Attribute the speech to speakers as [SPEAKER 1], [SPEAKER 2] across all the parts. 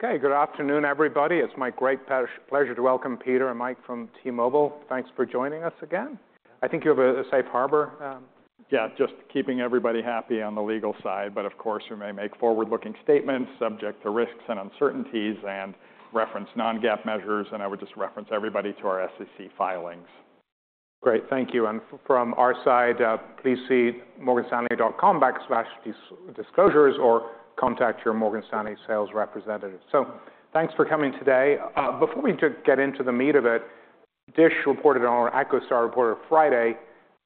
[SPEAKER 1] Okay, good afternoon, everybody. It's my great pleasure to welcome Peter and Mike from T-Mobile. Thanks for joining us again. I think you have a safe harbor.
[SPEAKER 2] Yeah, just keeping everybody happy on the legal side. Of course, we may make forward-looking statements subject to risks and uncertainties and reference non-GAAP measures. I would just reference everybody to our SEC filings.
[SPEAKER 1] Great, thank you. And from our side, please see morganstanley.com/disclosures or contact your Morgan Stanley sales representative. So thanks for coming today. Before we get into the meat of it, DISH reported or EchoStar reported on Friday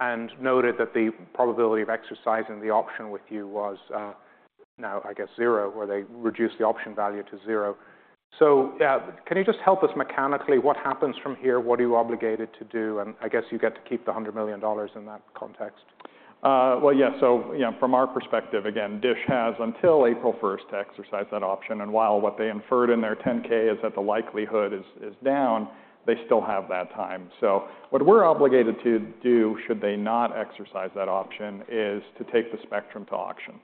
[SPEAKER 1] and noted that the probability of exercising the option with you was now, I guess, zero, or they reduced the option value to zero. So can you just help us mechanically? What happens from here? What are you obligated to do? And I guess you get to keep the $100 million in that context.
[SPEAKER 2] Well, yeah. So from our perspective, again, DISH has, until April 1, to exercise that option. And while what they inferred in their 10-K is that the likelihood is down, they still have that time. So what we're obligated to do should they not exercise that option is to take the spectrum to auction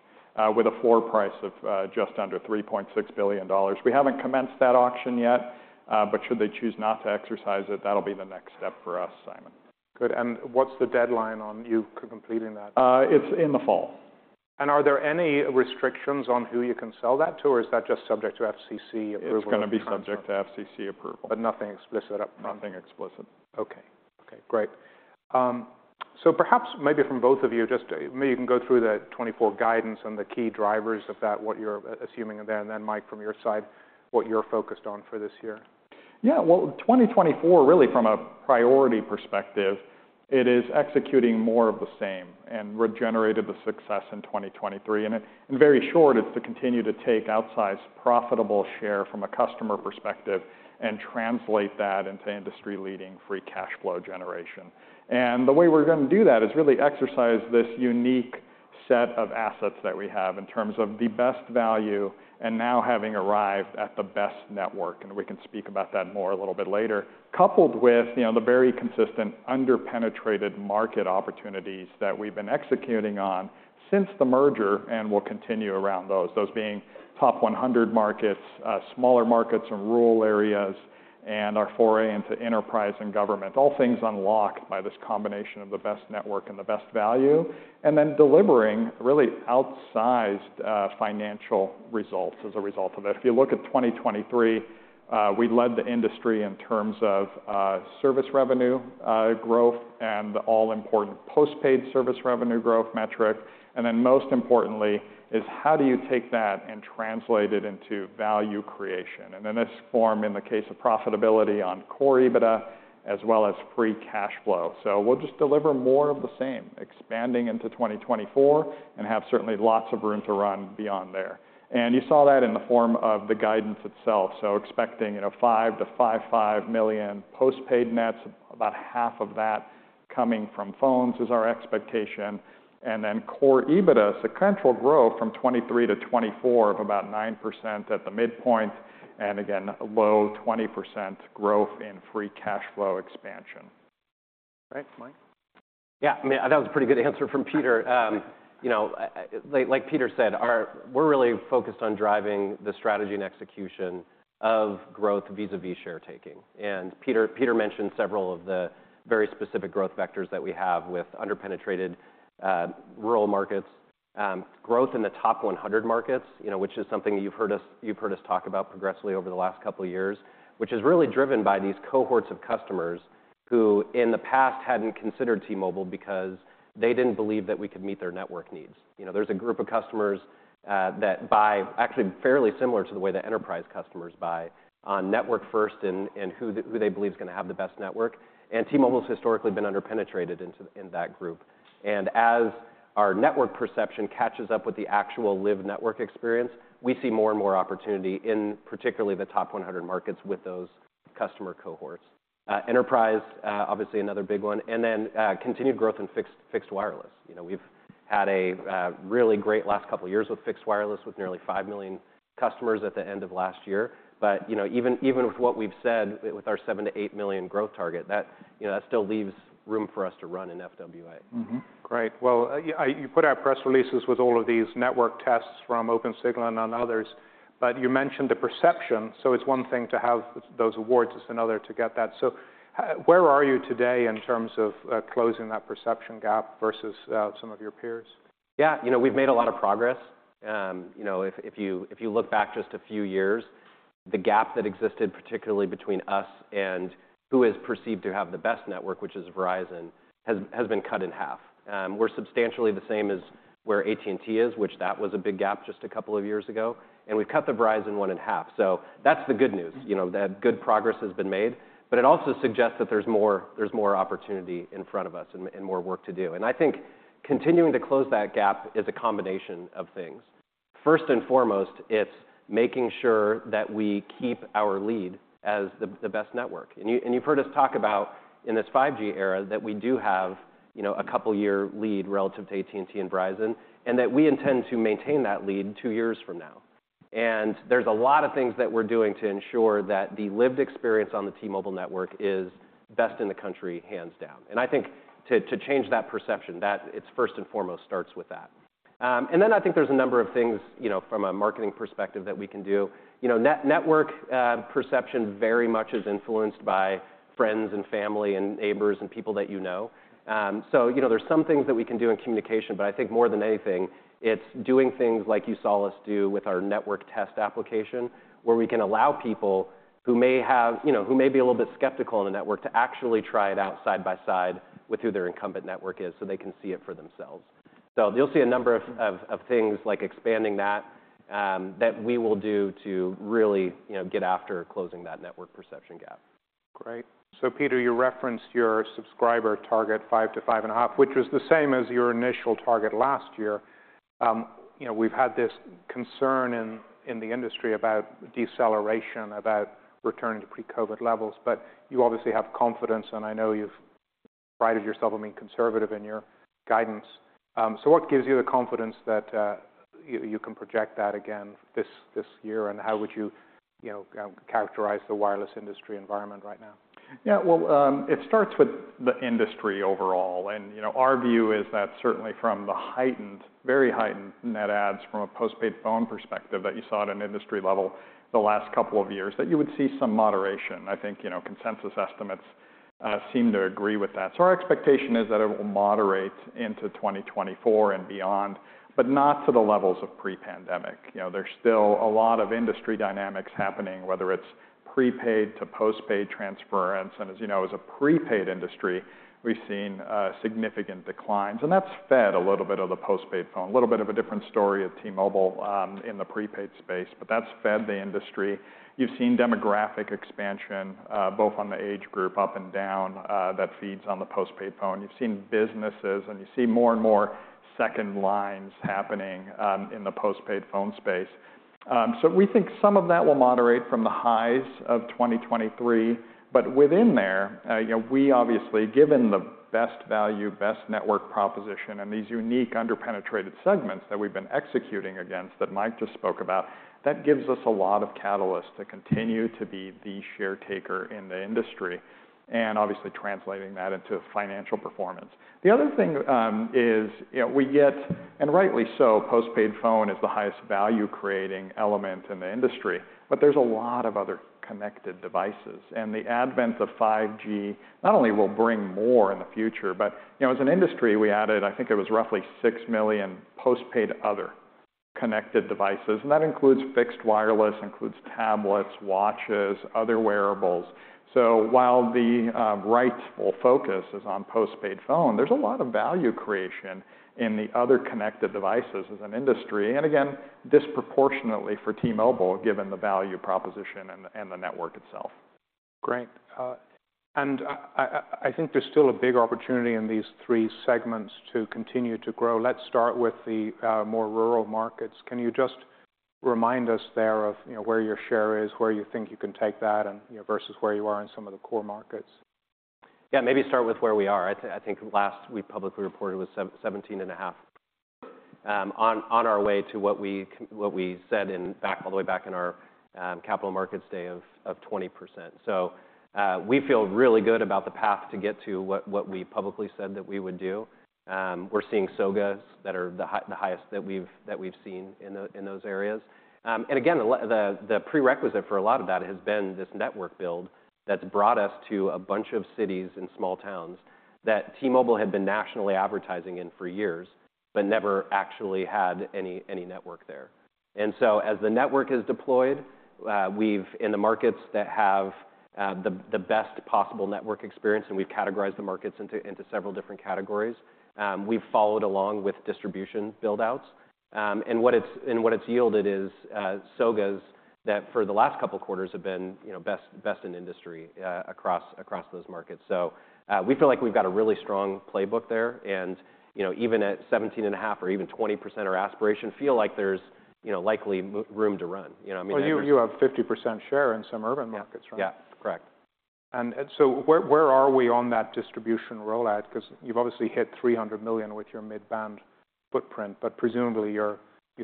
[SPEAKER 2] with a floor price of just under $3.6 billion. We haven't commenced that auction yet. But should they choose not to exercise it, that'll be the next step for us, Simon.
[SPEAKER 1] Good. What's the deadline on you completing that?
[SPEAKER 2] It's in the fall.
[SPEAKER 1] Are there any restrictions on who you can sell that to? Or is that just subject to FCC approval?
[SPEAKER 2] It's going to be subject to FCC approval.
[SPEAKER 1] But nothing explicit upfront?
[SPEAKER 2] Nothing explicit.
[SPEAKER 1] OK, OK, great. Perhaps maybe from both of you, just maybe you can go through the 2024 guidance and the key drivers of that, what you're assuming there. And then, Mike, from your side, what you're focused on for this year.
[SPEAKER 2] Yeah, well, 2024, really, from a priority perspective, it is executing more of the same and regenerated the success in 2023. In very short, it's to continue to take outsized profitable share from a customer perspective and translate that into industry-leading free cash flow generation. The way we're going to do that is really exercise this unique set of assets that we have in terms of the best value and now having arrived at the best network. And we can speak about that more a little bit later, coupled with the very consistent under-penetrated market opportunities that we've been executing on since the merger and will continue around those, those being top 100 markets, smaller markets and rural areas, and our foray into enterprise and government, all things unlocked by this combination of the best network and the best value, and then delivering really outsized financial results as a result of it. If you look at 2023, we led the industry in terms of service revenue growth and the all-important postpaid service revenue growth metric. And then most importantly, is how do you take that and translate it into value creation? And in this form, in the case of profitability on core EBITDA as well as free cash flow. We'll just deliver more of the same, expanding into 2024 and have certainly lots of room to run beyond there. You saw that in the form of the guidance itself. Expecting 5-5.5 million postpaid nets, about half of that coming from phones is our expectation. Then Core EBITDA, sequential growth from 2023 to 2024 of about 9% at the midpoint and, again, low 20% growth in Free Cash Flow expansion.
[SPEAKER 1] Great, Mike.
[SPEAKER 3] Yeah, I mean, that was a pretty good answer from Peter. Like Peter said, we're really focused on driving the strategy and execution of growth vis-à-vis share taking. And Peter mentioned several of the very specific growth vectors that we have with under-penetrated rural markets, growth in the top 100 markets, which is something that you've heard us talk about progressively over the last couple of years, which is really driven by these cohorts of customers who, in the past, hadn't considered T-Mobile because they didn't believe that we could meet their network needs. There's a group of customers that buy actually fairly similar to the way that enterprise customers buy on network first and who they believe is going to have the best network. And T-Mobile has historically been under-penetrated in that group. As our network perception catches up with the actual live network experience, we see more and more opportunity in particularly the top 100 markets with those customer cohorts. Enterprise, obviously, another big one. Continued growth in fixed wireless. We've had a really great last couple of years with fixed wireless with nearly 5 million customers at the end of last year. Even with what we've said with our 7-8 million growth target, that still leaves room for us to run in FWA.
[SPEAKER 1] Great. Well, you put out press releases with all of these network tests from Opensignal and others. But you mentioned the perception. So it's one thing to have those awards. It's another to get that. So where are you today in terms of closing that perception gap versus some of your peers?
[SPEAKER 3] Yeah, we've made a lot of progress. If you look back just a few years, the gap that existed particularly between us and who is perceived to have the best network, which is Verizon, has been cut in half. We're substantially the same as where AT&T is, which that was a big gap just a couple of years ago. And we've cut the Verizon one in half. So that's the good news. Good progress has been made. But it also suggests that there's more opportunity in front of us and more work to do. And I think continuing to close that gap is a combination of things. First and foremost, it's making sure that we keep our lead as the best network. You've heard us talk about in this 5G era that we do have a couple year lead relative to AT&T and Verizon and that we intend to maintain that lead 2 years from now. There's a lot of things that we're doing to ensure that the lived experience on the T-Mobile network is best in the country, hands down. I think to change that perception, it first and foremost starts with that. Then I think there's a number of things from a marketing perspective that we can do. Network perception very much is influenced by friends and family and neighbors and people that you know. There's some things that we can do in communication. But I think more than anything, it's doing things like you saw us do with our network test application, where we can allow people who may be a little bit skeptical in the network to actually try it out side by side with who their incumbent network is so they can see it for themselves. So you'll see a number of things like expanding that that we will do to really get after closing that network perception gap.
[SPEAKER 1] Great. Peter, you referenced your subscriber target 5-5.5, which was the same as your initial target last year. We've had this concern in the industry about deceleration, about returning to pre-COVID levels. You obviously have confidence. I know you've prided yourself on being conservative in your guidance. What gives you the confidence that you can project that again this year? How would you characterize the wireless industry environment right now?
[SPEAKER 2] Yeah, well, it starts with the industry overall. Our view is that certainly from the heightened, very heightened net adds from a postpaid phone perspective that you saw at an industry level the last couple of years, that you would see some moderation. I think consensus estimates seem to agree with that. Our expectation is that it will moderate into 2024 and beyond, but not to the levels of pre-pandemic. There's still a lot of industry dynamics happening, whether it's prepaid to postpaid transference. And as you know, in the prepaid industry, we've seen significant declines. And that's fed a little bit of the postpaid phone, a little bit of a different story at T-Mobile in the prepaid space. But that's fed the industry. You've seen demographic expansion both on the age group up and down that feeds on the postpaid phone. You've seen businesses. You see more and more second lines happening in the postpaid phone space. We think some of that will moderate from the highs of 2023. But within there, we obviously, given the best value, best network proposition, and these unique under-penetrated segments that we've been executing against that Mike just spoke about, that gives us a lot of catalyst to continue to be the share taker in the industry and obviously translating that into financial performance. The other thing is we get, and rightly so, postpaid phone is the highest value creating element in the industry. But there's a lot of other connected devices. And the advent of 5G not only will bring more in the future, but as an industry, we added, I think it was roughly 6 million postpaid other connected devices. And that includes fixed wireless, includes tablets, watches, other wearables. While the rightful focus is on postpaid phone, there's a lot of value creation in the other connected devices as an industry, and again, disproportionately for T-Mobile given the value proposition and the network itself.
[SPEAKER 1] Great. I think there's still a big opportunity in these three segments to continue to grow. Let's start with the more rural markets. Can you just remind us there of where your share is, where you think you can take that versus where you are in some of the core markets?
[SPEAKER 3] Yeah, maybe start with where we are. I think last we publicly reported was 17.5 on our way to what we said back all the way back in our Capital Markets Day of 20%. So we feel really good about the path to get to what we publicly said that we would do. We're seeing SOGAs that are the highest that we've seen in those areas. And again, the prerequisite for a lot of that has been this network build that's brought us to a bunch of cities and small towns that T-Mobile had been nationally advertising in for years but never actually had any network there. And so as the network is deployed, we've in the markets that have the best possible network experience and we've categorized the markets into several different categories we've followed along with distribution buildouts. What it's yielded is SOGAs that for the last couple quarters have been best in industry across those markets. We feel like we've got a really strong playbook there. Even at 17.5% or even 20% our aspiration, feel like there's likely room to run.
[SPEAKER 1] Well, you have 50% share in some urban markets, right?
[SPEAKER 3] Yeah, correct.
[SPEAKER 1] Where are we on that distribution rollout? Because you've obviously hit 300 million with your mid-band footprint. Presumably, you've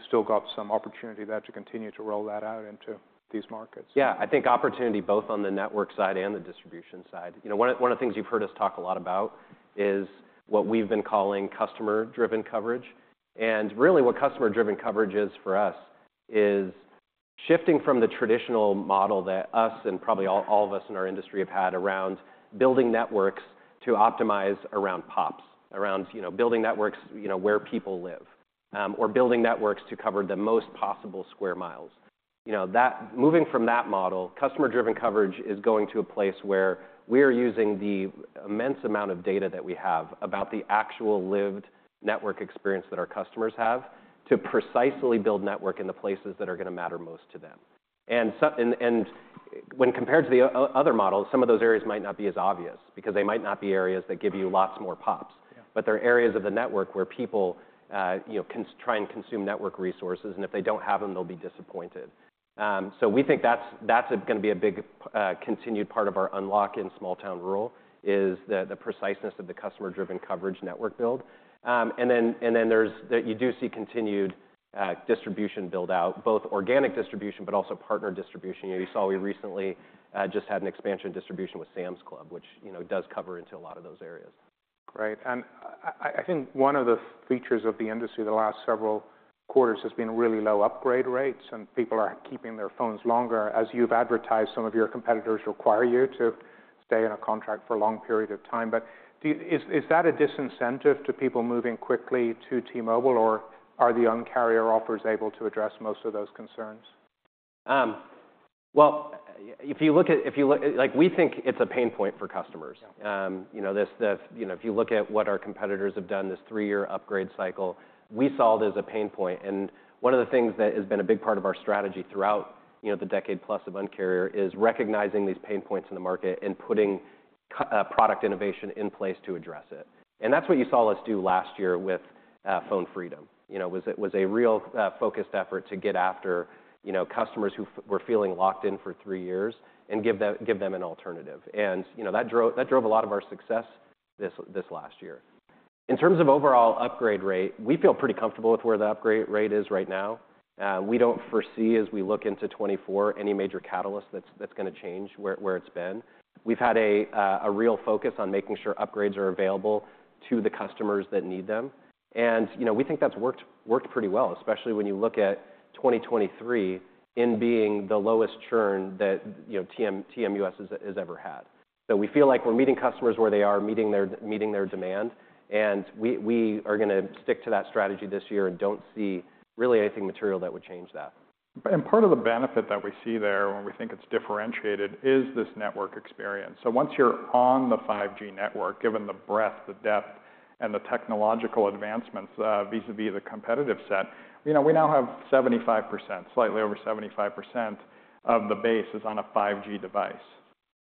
[SPEAKER 1] still got some opportunity there to continue to roll that out into these markets.
[SPEAKER 3] Yeah, I think opportunity both on the network side and the distribution side. One of the things you've heard us talk a lot about is what we've been calling customer-driven coverage. And really, what customer-driven coverage is for us is shifting from the traditional model that us and probably all of us in our industry have had around building networks to optimize around POPs, around building networks where people live, or building networks to cover the most possible square miles. Moving from that model, customer-driven coverage is going to a place where we are using the immense amount of data that we have about the actual lived network experience that our customers have to precisely build network in the places that are going to matter most to them. When compared to the other models, some of those areas might not be as obvious because they might not be areas that give you lots more POPs. They're areas of the network where people try and consume network resources. If they don't have them, they'll be disappointed. We think that's going to be a big continued part of our unlock in small town rural is the preciseness of the customer-driven coverage network build. Then you do see continued distribution buildout, both organic distribution but also partner distribution. You saw we recently just had an expansion distribution with Sam's Club, which does cover into a lot of those areas.
[SPEAKER 1] Great. I think one of the features of the industry the last several quarters has been really low upgrade rates. People are keeping their phones longer, as you've advertised. Some of your competitors require you to stay in a contract for a long period of time. But is that a disincentive to people moving quickly to T-Mobile? Or are the Un-carrier offers able to address most of those concerns?
[SPEAKER 3] Well, we think it's a pain point for customers. If you look at what our competitors have done, this three-year upgrade cycle, we saw it as a pain point. And one of the things that has been a big part of our strategy throughout the decade plus of Un-carrier is recognizing these pain points in the market and putting product innovation in place to address it. And that's what you saw us do last year with Phone Freedom, was a real focused effort to get after customers who were feeling locked in for three years and give them an alternative. And that drove a lot of our success this last year. In terms of overall upgrade rate, we feel pretty comfortable with where the upgrade rate is right now. We don't foresee, as we look into 2024, any major catalyst that's going to change where it's been. We've had a real focus on making sure upgrades are available to the customers that need them. We think that's worked pretty well, especially when you look at 2023 in being the lowest churn that TMUS has ever had. We feel like we're meeting customers where they are, meeting their demand. We are going to stick to that strategy this year and don't see really anything material that would change that.
[SPEAKER 2] Part of the benefit that we see there when we think it's differentiated is this network experience. Once you're on the 5G network, given the breadth, the depth, and the technological advancements vis-à-vis the competitive set, we now have 75%. Slightly over 75% of the base is on a 5G device.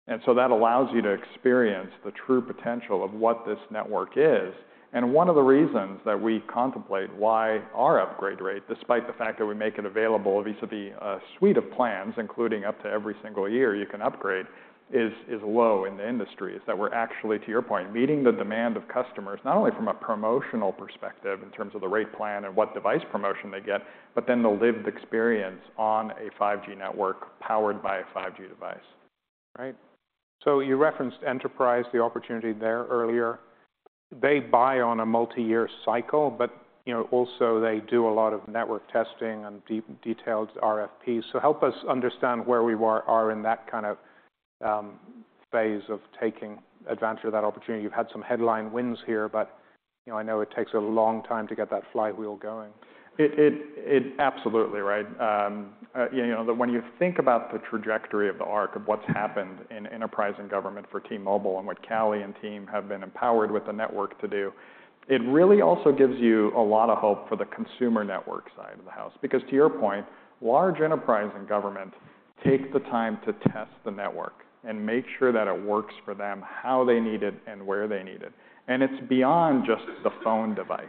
[SPEAKER 2] That allows you to experience the true potential of what this network is. One of the reasons that we contemplate why our upgrade rate, despite the fact that we make it available vis-à-vis a suite of plans, including up to every single year you can upgrade, is low in the industry, is that we're actually, to your point, meeting the demand of customers not only from a promotional perspective in terms of the rate plan and what device promotion they get, but then the lived experience on a 5G network powered by a 5G device.
[SPEAKER 1] Right. So you referenced Enterprise, the opportunity there earlier. They buy on a multi-year cycle. But also, they do a lot of network testing and detailed RFPs. So help us understand where we are in that kind of phase of taking advantage of that opportunity. You've had some headline wins here. But I know it takes a long time to get that flywheel going.
[SPEAKER 2] Absolutely, right. When you think about the trajectory of the arc of what's happened in enterprise and government for T-Mobile and what Callie and team have been empowered with the network to do, it really also gives you a lot of hope for the consumer network side of the house. Because to your point, large enterprise and government take the time to test the network and make sure that it works for them how they need it and where they need it. And it's beyond just the phone device.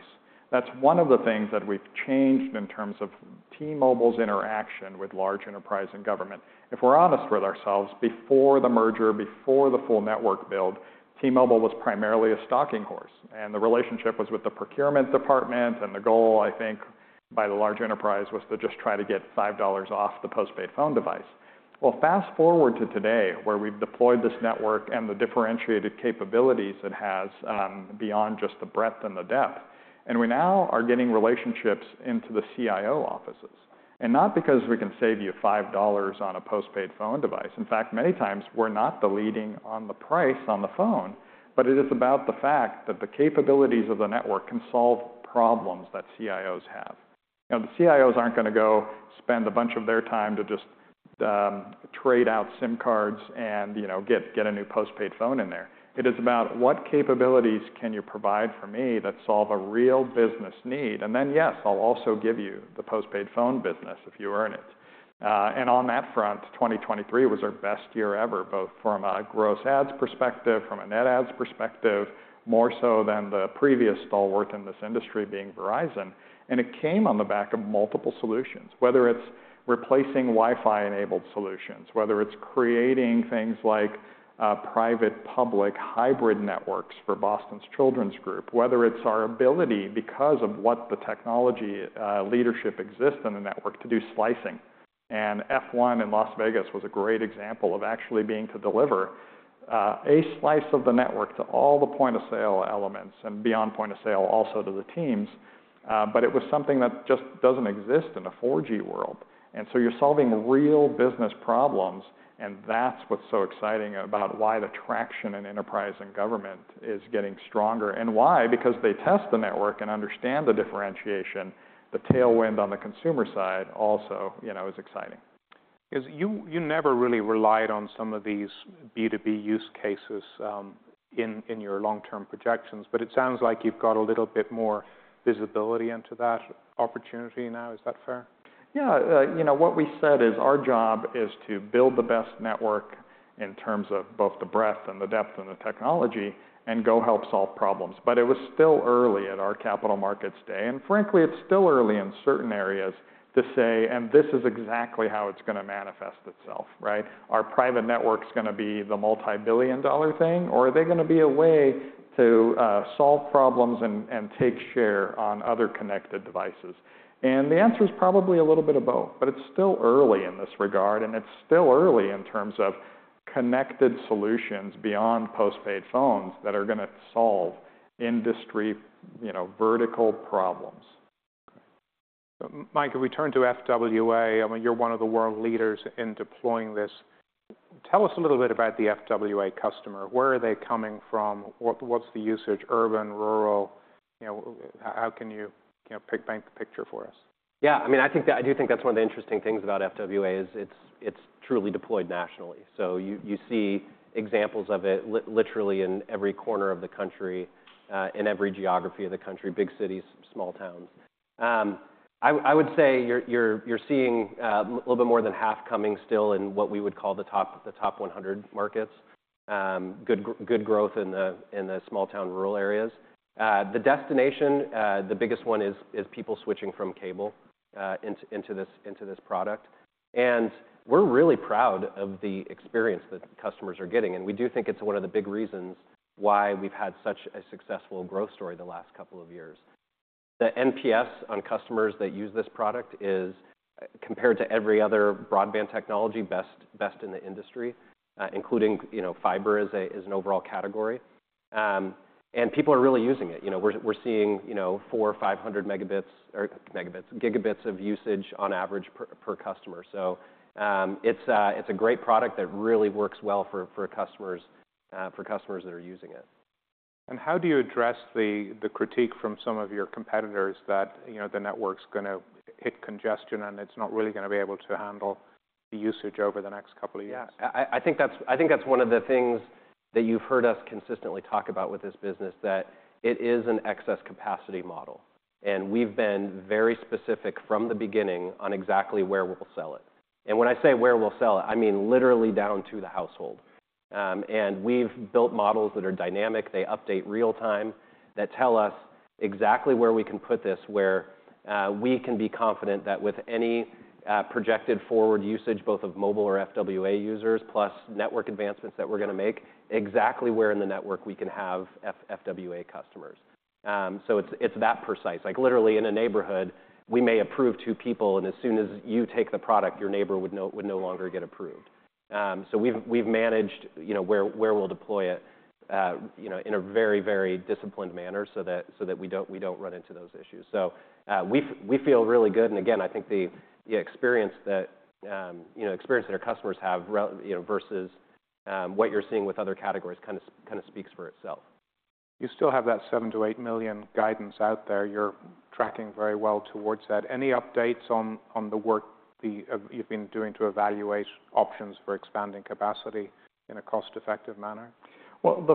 [SPEAKER 2] That's one of the things that we've changed in terms of T-Mobile's interaction with large enterprise and government. If we're honest with ourselves, before the merger, before the full network build, T-Mobile was primarily a stalking horse. And the relationship was with the procurement department. The goal, I think, by the large enterprise was to just try to get $5 off the postpaid phone device. Well, fast forward to today, where we've deployed this network and the differentiated capabilities it has beyond just the breadth and the depth. We now are getting relationships into the CIO offices, and not because we can save you $5 on a postpaid phone device. In fact, many times, we're not the leading on the price on the phone. It is about the fact that the capabilities of the network can solve problems that CIOs have. The CIOs aren't going to go spend a bunch of their time to just trade out SIM cards and get a new postpaid phone in there. It is about what capabilities can you provide for me that solve a real business need? Yes, I'll also give you the postpaid phone business if you earn it. On that front, 2023 was our best year ever, both from a gross adds perspective, from a net adds perspective, more so than the previous stalwart in this industry being Verizon. It came on the back of multiple solutions, whether it's replacing Wi-Fi-enabled solutions, whether it's creating things like private-public hybrid networks for Boston Children's Hospital, whether it's our ability, because of what the technology leadership exists in the network, to do slicing. F1 in Las Vegas was a great example of actually being able to deliver a slice of the network to all the point of sale elements and beyond point of sale, also to the teams. But it was something that just doesn't exist in a 4G world. So you're solving real business problems. And that's what's so exciting about why the traction in enterprise and government is getting stronger. And why? Because they test the network and understand the differentiation. The tailwind on the consumer side also is exciting.
[SPEAKER 1] Because you never really relied on some of these B2B use cases in your long-term projections. But it sounds like you've got a little bit more visibility into that opportunity now. Is that fair?
[SPEAKER 2] Yeah. What we said is our job is to build the best network in terms of both the breadth and the depth and the technology and go help solve problems. But it was still early at our Capital Markets Day. And frankly, it's still early in certain areas to say, and this is exactly how it's going to manifest itself, right? Are private networks going to be the multibillion-dollar thing? Or are they going to be a way to solve problems and take share on other connected devices? And the answer is probably a little bit of both. But it's still early in this regard. And it's still early in terms of connected solutions beyond postpaid phones that are going to solve industry vertical problems.
[SPEAKER 1] Mike, if we turn to FWA, I mean, you're one of the world leaders in deploying this. Tell us a little bit about the FWA customer. Where are they coming from? What's the usage, urban, rural? How can you paint the picture for us?
[SPEAKER 3] Yeah. I mean, I do think that's one of the interesting things about FWA is it's truly deployed nationally. So you see examples of it literally in every corner of the country, in every geography of the country, big cities, small towns. I would say you're seeing a little bit more than half coming still in what we would call the top 100 markets, good growth in the small town, rural areas. The destination, the biggest one, is people switching from cable into this product. And we're really proud of the experience that customers are getting. And we do think it's one of the big reasons why we've had such a successful growth story the last couple of years. The NPS on customers that use this product is, compared to every other broadband technology, best in the industry, including fiber as an overall category. And people are really using it. We're seeing 400-500 megabits or gigabits of usage on average per customer. So it's a great product that really works well for customers that are using it.
[SPEAKER 1] How do you address the critique from some of your competitors that the network's going to hit congestion and it's not really going to be able to handle the usage over the next couple of years?
[SPEAKER 3] Yeah. I think that's one of the things that you've heard us consistently talk about with this business, that it is an excess capacity model. And we've been very specific from the beginning on exactly where we'll sell it. And when I say where we'll sell it, I mean literally down to the household. And we've built models that are dynamic. They update real time that tell us exactly where we can put this, where we can be confident that with any projected forward usage, both of mobile or FWA users plus network advancements that we're going to make, exactly where in the network we can have FWA customers. So it's that precise. Literally, in a neighborhood, we may approve two people. And as soon as you take the product, your neighbor would no longer get approved. So we've managed where we'll deploy it in a very, very disciplined manner so that we don't run into those issues. So we feel really good. And again, I think the experience that our customers have versus what you're seeing with other categories kind of speaks for itself.
[SPEAKER 1] You still have that 7-8 million guidance out there. You're tracking very well towards that. Any updates on the work you've been doing to evaluate options for expanding capacity in a cost-effective manner?
[SPEAKER 2] Well, the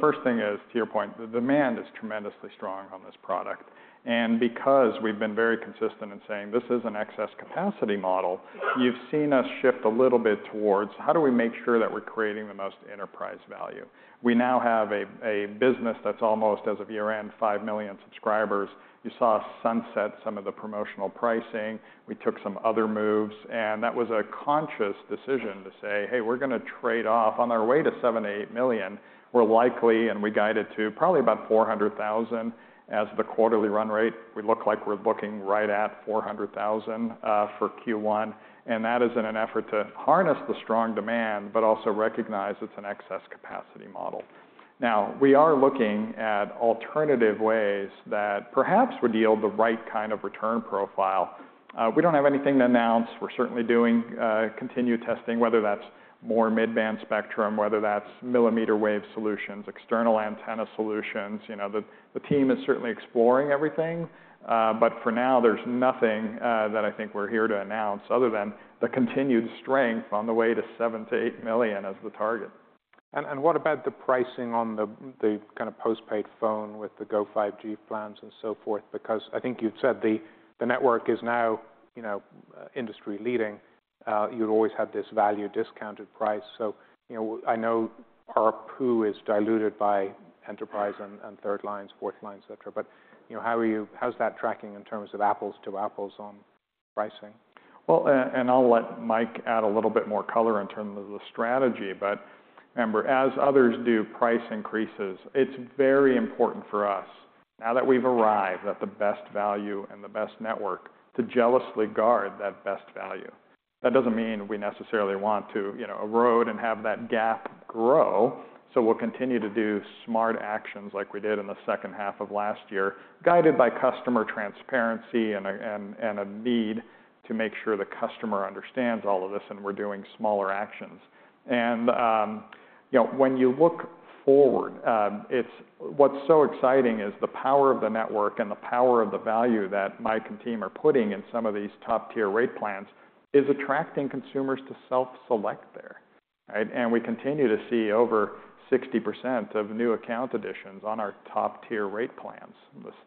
[SPEAKER 2] first thing is, to your point, the demand is tremendously strong on this product. And because we've been very consistent in saying this is an excess capacity model, you've seen us shift a little bit towards, how do we make sure that we're creating the most enterprise value? We now have a business that's almost, as of year-end, 5 million subscribers. You saw us sunset some of the promotional pricing. We took some other moves. And that was a conscious decision to say, hey, we're going to trade off. On our way to 7-8 million, we're likely, and we guided to probably about 400,000 as the quarterly run rate. We look like we're looking right at 400,000 for Q1. And that is in an effort to harness the strong demand but also recognize it's an excess capacity model. Now, we are looking at alternative ways that perhaps would yield the right kind of return profile. We don't have anything to announce. We're certainly doing continued testing, whether that's more mid-band spectrum, whether that's millimeter wave solutions, external antenna solutions. The team is certainly exploring everything. But for now, there's nothing that I think we're here to announce other than the continued strength on the way to 7-8 million as the target.
[SPEAKER 1] What about the pricing on the kind of postpaid phone with the Go5G plans and so forth? Because I think you've said the network is now industry leading. You've always had this value discounted price. I know our ARPU is diluted by enterprise and third lines, fourth lines, et cetera. How is that tracking in terms of apples to apples on pricing?
[SPEAKER 2] Well, and I'll let Mike add a little bit more color in terms of the strategy. But remember, as others do price increases, it's very important for us, now that we've arrived at the best value and the best network, to jealously guard that best value. That doesn't mean we necessarily want to erode and have that gap grow. So we'll continue to do smart actions like we did in the second half of last year, guided by customer transparency and a need to make sure the customer understands all of this. And we're doing smaller actions. And when you look forward, what's so exciting is the power of the network and the power of the value that Mike and team are putting in some of these top-tier rate plans is attracting consumers to self-select there. We continue to see over 60% of new account additions on our top-tier rate plans,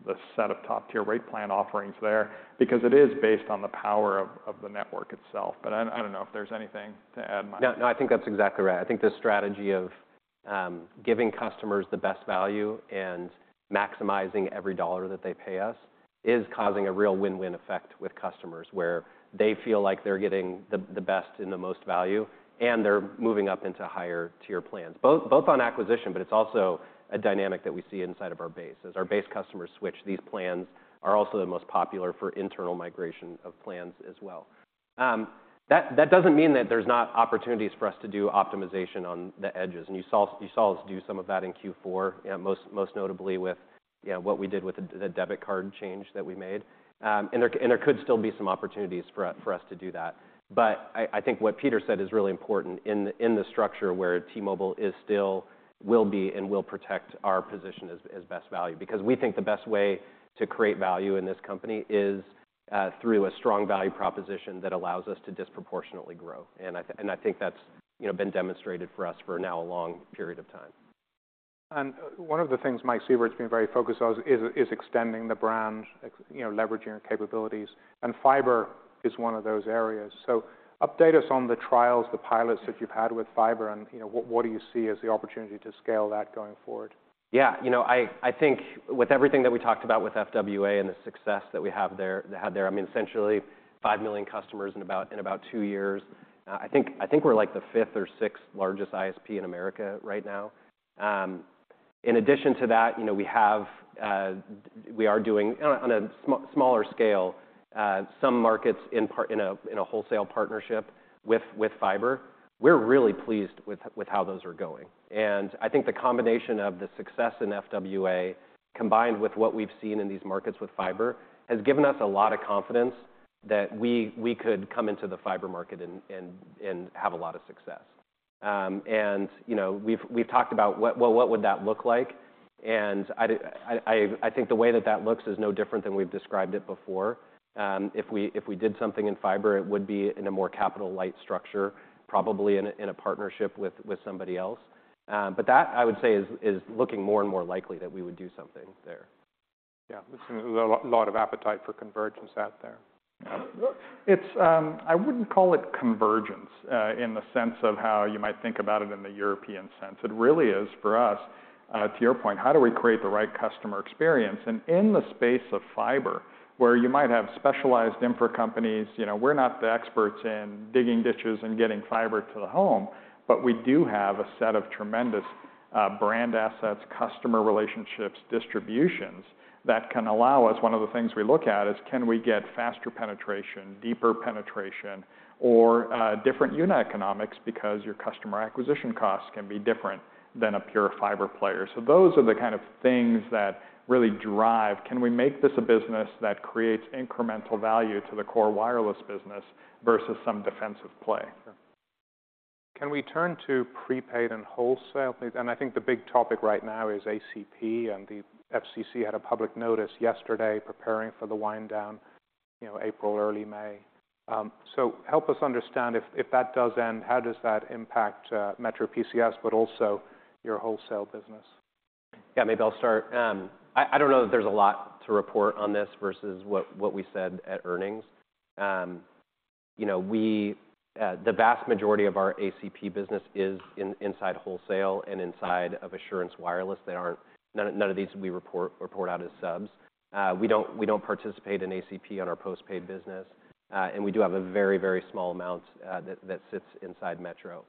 [SPEAKER 2] the set of top-tier rate plan offerings there, because it is based on the power of the network itself. But I don't know if there's anything to add, Mike.
[SPEAKER 3] No, I think that's exactly right. I think the strategy of giving customers the best value and maximizing every dollar that they pay us is causing a real win-win effect with customers, where they feel like they're getting the best and the most value. And they're moving up into higher-tier plans, both on acquisition. But it's also a dynamic that we see inside of our base. As our base customers switch, these plans are also the most popular for internal migration of plans as well. That doesn't mean that there's not opportunities for us to do optimization on the edges. And you saw us do some of that in Q4, most notably with what we did with the debit card change that we made. And there could still be some opportunities for us to do that. But I think what Peter said is really important in the structure where T-Mobile is still, will be, and will protect our position as best value. Because we think the best way to create value in this company is through a strong value proposition that allows us to disproportionately grow. And I think that's been demonstrated for us for now a long period of time.
[SPEAKER 1] One of the things Mike Sievert's been very focused on is extending the brand, leveraging your capabilities. Fiber is one of those areas. Update us on the trials, the pilots that you've had with fiber. What do you see as the opportunity to scale that going forward?
[SPEAKER 3] Yeah. I think with everything that we talked about with FWA and the success that we have there, I mean, essentially 5 million customers in about 2 years, I think we're like the fifth or sixth largest ISP in America right now. In addition to that, we are doing, on a smaller scale, some markets in a wholesale partnership with fiber. We're really pleased with how those are going. And I think the combination of the success in FWA, combined with what we've seen in these markets with fiber, has given us a lot of confidence that we could come into the fiber market and have a lot of success. And we've talked about, well, what would that look like? And I think the way that that looks is no different than we've described it before. If we did something in fiber, it would be in a more capital-light structure, probably in a partnership with somebody else. But that, I would say, is looking more and more likely that we would do something there.
[SPEAKER 1] Yeah. There's a lot of appetite for convergence out there.
[SPEAKER 2] I wouldn't call it convergence in the sense of how you might think about it in the European sense. It really is, for us, to your point, how do we create the right customer experience? And in the space of fiber, where you might have specialized infra companies, we're not the experts in digging ditches and getting fiber to the home. But we do have a set of tremendous brand assets, customer relationships, distributions that can allow us one of the things we look at is, can we get faster penetration, deeper penetration, or different unit economics because your customer acquisition costs can be different than a pure fiber player? So those are the kind of things that really drive, can we make this a business that creates incremental value to the core wireless business versus some defensive play?
[SPEAKER 1] Can we turn to prepaid and wholesale, please? And I think the big topic right now is ACP. And the FCC had a public notice yesterday preparing for the winddown, April, early May. So help us understand, if that does end, how does that impact MetroPCS but also your wholesale business?
[SPEAKER 3] Yeah. Maybe I'll start. I don't know that there's a lot to report on this versus what we said at earnings. The vast majority of our ACP business is inside wholesale and inside of Assurance Wireless. None of these we report out as subs. We don't participate in ACP on our postpaid business. And we do have a very, very small amount that sits inside Metro.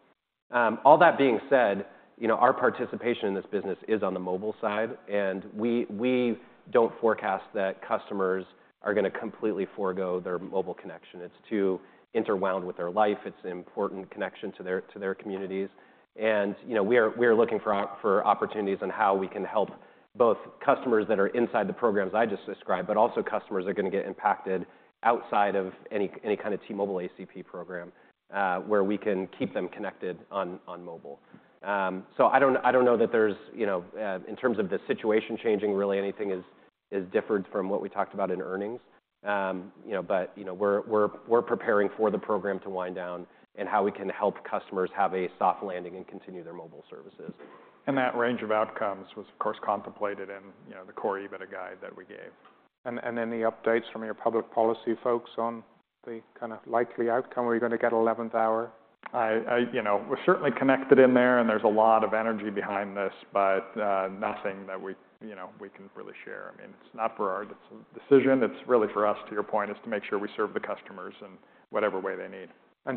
[SPEAKER 3] All that being said, our participation in this business is on the mobile side. And we don't forecast that customers are going to completely forgo their mobile connection. It's too intertwined with their life. It's an important connection to their communities. We are looking for opportunities on how we can help both customers that are inside the programs I just described, but also customers that are going to get impacted outside of any kind of T-Mobile ACP program, where we can keep them connected on mobile. I don't know that there's, in terms of the situation changing, really anything has differed from what we talked about in earnings. We're preparing for the program to wind down and how we can help customers have a soft landing and continue their mobile services.
[SPEAKER 1] That range of outcomes was, of course, contemplated in the Core EBITDA guide that we gave. Then the updates from your public policy folks on the kind of likely outcome? Are we going to get 11th hour?
[SPEAKER 2] We're certainly connected in there. There's a lot of energy behind this, but nothing that we can really share. I mean, it's not for our decision. It's really for us, to your point, is to make sure we serve the customers in whatever way they need.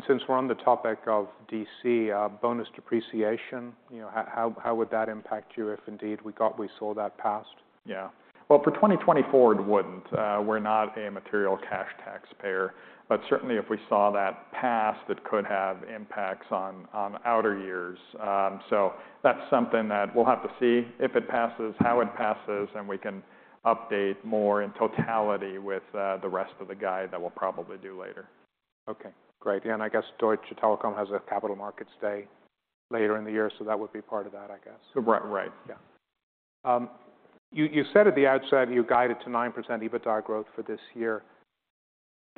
[SPEAKER 1] Since we're on the topic of D.C., bonus depreciation, how would that impact you if, indeed, we saw that passed?
[SPEAKER 2] Yeah. Well, for 2024, it wouldn't. We're not a material cash taxpayer. But certainly, if we saw that passed, it could have impacts on outer years. So that's something that we'll have to see if it passes, how it passes. And we can update more in totality with the rest of the guide that we'll probably do later.
[SPEAKER 1] OK. Great. Yeah. And I guess Deutsche Telekom has a capital markets day later in the year. So that would be part of that, I guess.
[SPEAKER 2] Right.
[SPEAKER 1] Yeah. You said at the outset you guided to 9% EBITDA growth for this year.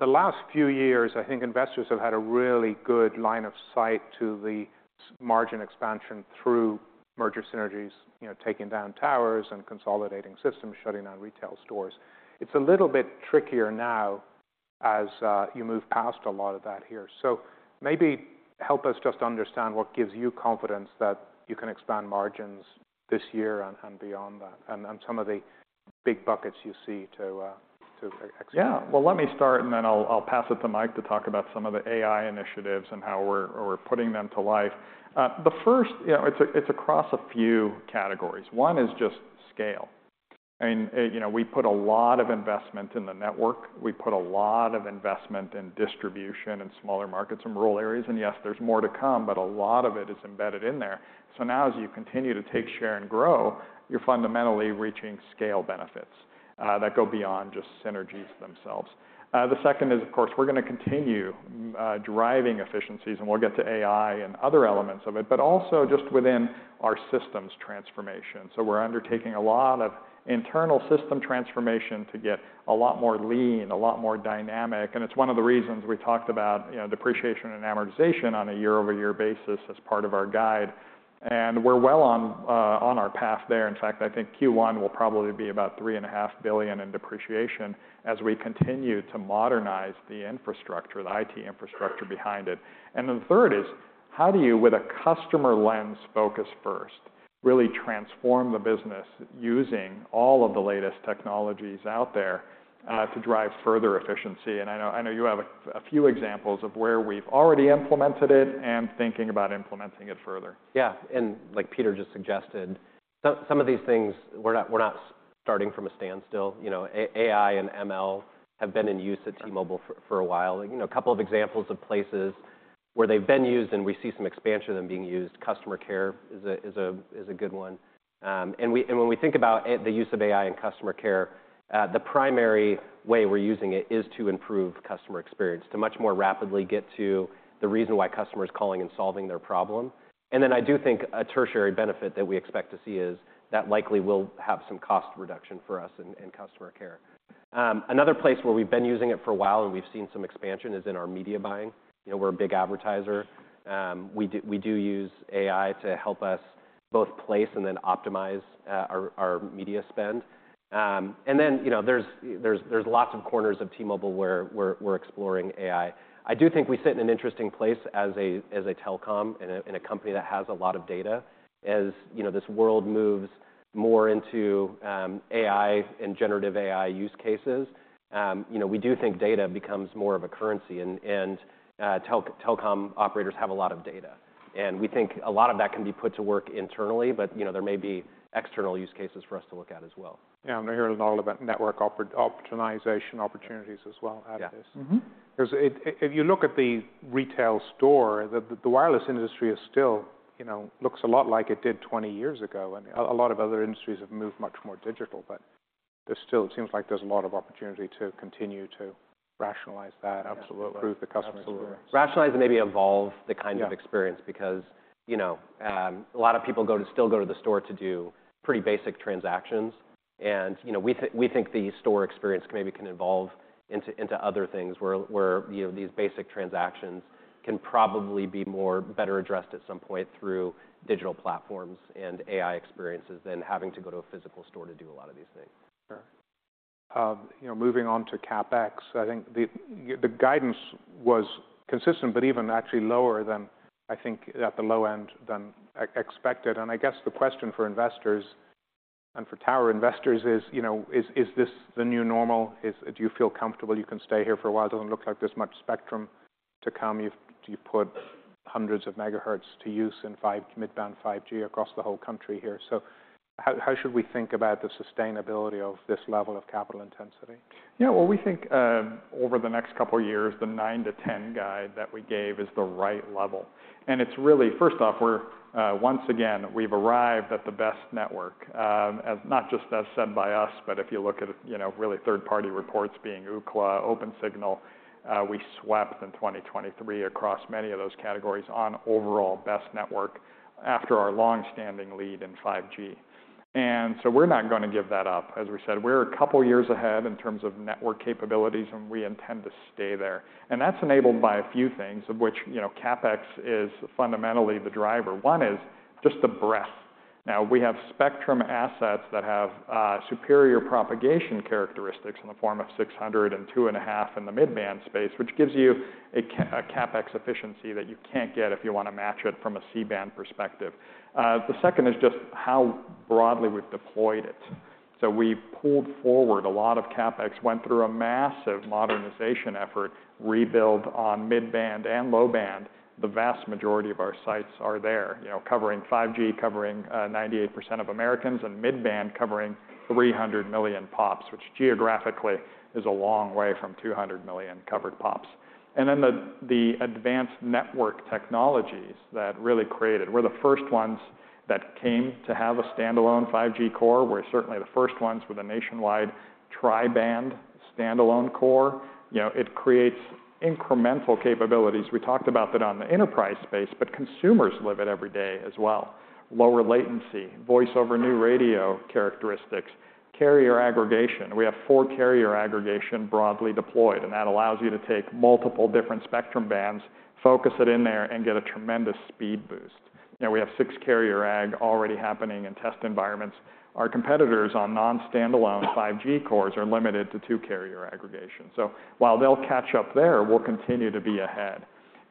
[SPEAKER 1] The last few years, I think investors have had a really good line of sight to the margin expansion through merger synergies, taking down towers and consolidating systems, shutting down retail stores. It's a little bit trickier now as you move past a lot of that here. So maybe help us just understand what gives you confidence that you can expand margins this year and beyond that and some of the big buckets you see to expand.
[SPEAKER 2] Yeah. Well, let me start. And then I'll pass it to Mike to talk about some of the AI initiatives and how we're putting them to life. The first, it's across a few categories. One is just scale. I mean, we put a lot of investment in the network. We put a lot of investment in distribution and smaller markets and rural areas. And yes, there's more to come. But a lot of it is embedded in there. So now, as you continue to take share and grow, you're fundamentally reaching scale benefits that go beyond just synergies themselves. The second is, of course, we're going to continue driving efficiencies. And we'll get to AI and other elements of it, but also just within our systems transformation. So we're undertaking a lot of internal system transformation to get a lot more lean, a lot more dynamic. It's one of the reasons we talked about depreciation and amortization on a year-over-year basis as part of our guide. We're well on our path there. In fact, I think Q1 will probably be about $3.5 billion in depreciation as we continue to modernize the infrastructure, the IT infrastructure behind it. Then the third is, how do you, with a customer lens focus first, really transform the business using all of the latest technologies out there to drive further efficiency? I know you have a few examples of where we've already implemented it and thinking about implementing it further.
[SPEAKER 3] Yeah. And like Peter just suggested, some of these things, we're not starting from a standstill. AI and ML have been in use at T-Mobile for a while. A couple of examples of places where they've been used and we see some expansion of them being used, customer care is a good one. And when we think about the use of AI in customer care, the primary way we're using it is to improve customer experience, to much more rapidly get to the reason why customer is calling and solving their problem. And then I do think a tertiary benefit that we expect to see is that likely will have some cost reduction for us in customer care. Another place where we've been using it for a while and we've seen some expansion is in our media buying. We're a big advertiser. We do use AI to help us both place and then optimize our media spend. And then there's lots of corners of T-Mobile where we're exploring AI. I do think we sit in an interesting place as a telecom and a company that has a lot of data. As this world moves more into AI and generative AI use cases, we do think data becomes more of a currency. And telecom operators have a lot of data. And we think a lot of that can be put to work internally. But there may be external use cases for us to look at as well.
[SPEAKER 1] Yeah. We're hearing all about network optimization opportunities as well out of this. If you look at the retail store, the wireless industry still looks a lot like it did 20 years ago. A lot of other industries have moved much more digital. It seems like there's a lot of opportunity to continue to rationalize that and improve the customer experience.
[SPEAKER 3] Absolutely. Rationalize and maybe evolve the kind of experience. Because a lot of people still go to the store to do pretty basic transactions. We think the store experience maybe can evolve into other things where these basic transactions can probably be better addressed at some point through digital platforms and AI experiences than having to go to a physical store to do a lot of these things.
[SPEAKER 1] Sure. Moving on to CapEx, I think the guidance was consistent but even actually lower than, I think, at the low end than expected. I guess the question for investors and for tower investors is, is this the new normal? Do you feel comfortable? You can stay here for a while. It doesn't look like there's much spectrum to come. You've put hundreds of megahertz to use in mid-band 5G across the whole country here. So how should we think about the sustainability of this level of capital intensity?
[SPEAKER 2] Yeah. Well, we think over the next couple of years, the 9-10 guide that we gave is the right level. And it's really, first off, once again, we've arrived at the best network, not just as said by us. But if you look at really third-party reports being Ookla, Opensignal, we swept in 2023 across many of those categories on overall best network after our longstanding lead in 5G. And so we're not going to give that up. As we said, we're a couple of years ahead in terms of network capabilities. And we intend to stay there. And that's enabled by a few things, of which CapEx is fundamentally the driver. One is just the breadth. Now, we have spectrum assets that have superior propagation characteristics in the form of 600 and 2.5 in the Mid-band space, which gives you a CapEx efficiency that you can't get if you want to match it from a C-band perspective. The second is just how broadly we've deployed it. So we pulled forward a lot of CapEx, went through a massive modernization effort, rebuild on Mid-band and low-band. The vast majority of our sites are there, covering 5G, covering 98% of Americans, and Mid-band covering 300 million POPs, which geographically is a long way from 200 million covered POPs. And then the advanced network technologies that really created we're the first ones that came to have a standalone 5G core. We're certainly the first ones with a nationwide tri-band standalone core. It creates incremental capabilities. We talked about that on the enterprise space. But consumers live it every day as well. Lower latency, Voice over New Radio characteristics, carrier aggregation. We have 4 carrier aggregation broadly deployed. And that allows you to take multiple different spectrum bands, focus it in there, and get a tremendous speed boost. We have 6 carrier agg already happening in test environments. Our competitors on non-standalone 5G cores are limited to 2 carrier aggregations. So while they'll catch up there, we'll continue to be ahead.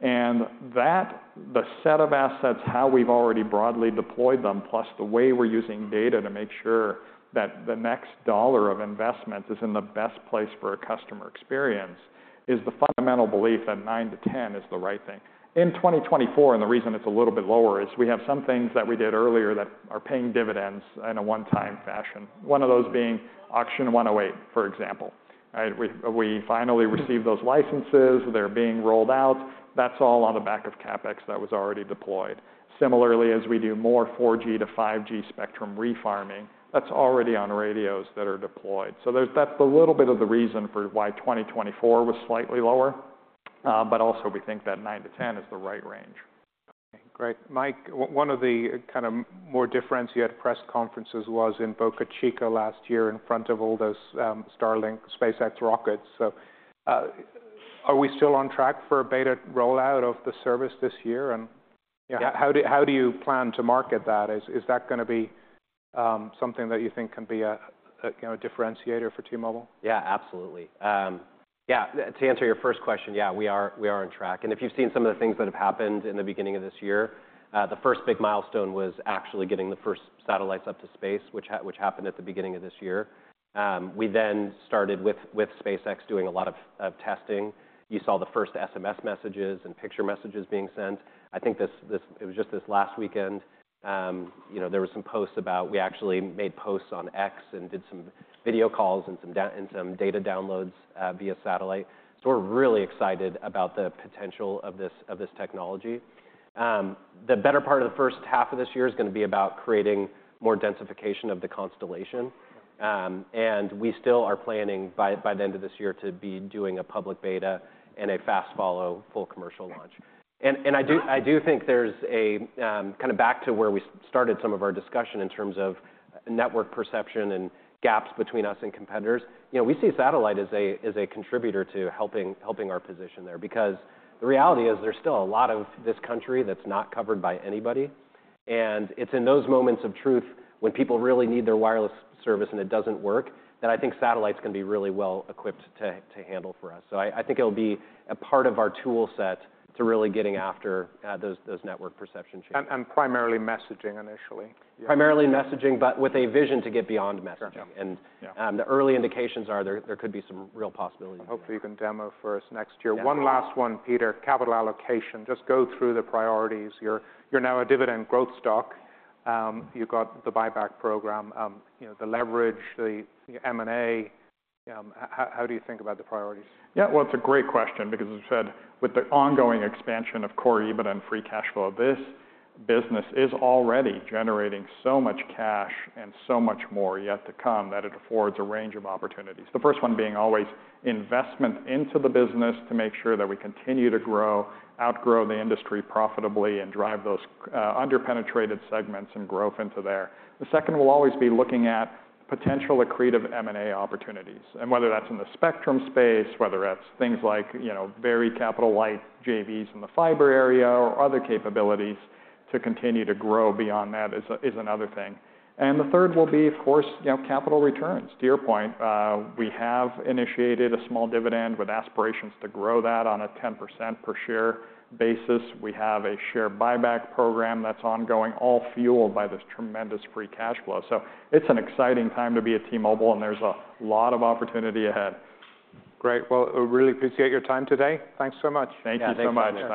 [SPEAKER 2] And the set of assets, how we've already broadly deployed them, plus the way we're using data to make sure that the next dollar of investment is in the best place for a customer experience, is the fundamental belief that 9-10 is the right thing. In 2024, the reason it's a little bit lower is we have some things that we did earlier that are paying dividends in a one-time fashion, one of those being Auction 108, for example. We finally received those licenses. They're being rolled out. That's all on the back of CapEx that was already deployed, similarly as we do more 4G to 5G spectrum refarming. That's already on radios that are deployed. So that's the little bit of the reason for why 2024 was slightly lower. But also, we think that 9-10 is the right range.
[SPEAKER 1] OK. Great. Mike, one of the kind of more differentiated press conferences was in Boca Chica last year in front of all those Starlink SpaceX rockets. Are we still on track for a beta rollout of the service this year? How do you plan to market that? Is that going to be something that you think can be a differentiator for T-Mobile?
[SPEAKER 3] Yeah. Absolutely. Yeah. To answer your first question, yeah, we are on track. If you've seen some of the things that have happened in the beginning of this year, the first big milestone was actually getting the first satellites up to space, which happened at the beginning of this year. We then started with SpaceX doing a lot of testing. You saw the first SMS messages and picture messages being sent. I think it was just this last weekend. There were some posts about we actually made posts on X and did some video calls and some data downloads via satellite. So we're really excited about the potential of this technology. The better part of the first half of this year is going to be about creating more densification of the constellation. We still are planning, by the end of this year, to be doing a public beta and a fast follow full commercial launch. I do think there's a kind of back to where we started some of our discussion in terms of network perception and gaps between us and competitors. We see satellite as a contributor to helping our position there. Because the reality is there's still a lot of this country that's not covered by anybody. It's in those moments of truth, when people really need their wireless service and it doesn't work, that I think satellites can be really well equipped to handle for us. I think it'll be a part of our toolset to really getting after those network perception changes.
[SPEAKER 1] Primarily messaging initially.
[SPEAKER 3] Primarily messaging, but with a vision to get beyond messaging. And the early indications are there could be some real possibilities.
[SPEAKER 1] Hopefully, you can demo for us next year. One last one, Peter, capital allocation. Just go through the priorities. You're now a dividend growth stock. You've got the buyback program, the leverage, the M&A. How do you think about the priorities?
[SPEAKER 2] Yeah. Well, it's a great question. Because as you said, with the ongoing expansion of Core EBITDA and Free Cash Flow, this business is already generating so much cash and so much more yet to come that it affords a range of opportunities, the first one being always investment into the business to make sure that we continue to grow, outgrow the industry profitably, and drive those under-penetrated segments and growth into there. The second will always be looking at potential accretive M&A opportunities and whether that's in the spectrum space, whether that's things like very capital light JVs in the fiber area or other capabilities to continue to grow beyond that is another thing. And the third will be, of course, capital returns. To your point, we have initiated a small dividend with aspirations to grow that on a 10% per share basis. We have a share buyback program that's ongoing, all fueled by this tremendous Free Cash Flow. So it's an exciting time to be at T-Mobile. And there's a lot of opportunity ahead.
[SPEAKER 1] Great. Well, we really appreciate your time today. Thanks so much.
[SPEAKER 2] Thank you so much.